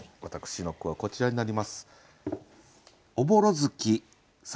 私の句はこちらになります。